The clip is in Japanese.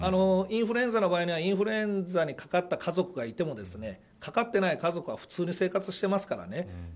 インフルエンザの場合にはインフルエンザにかかった家族がいてもかかってない家族は普通に生活してますからね。